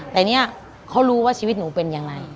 แต่เนี่ยเขารู้ว่าชีวิตหนูเป็นยังไง